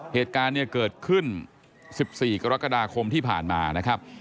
เหตุการณ์เนี่ยเกิดขึ้น๑๔กรกฎาคมที่ผ่านมานะครับ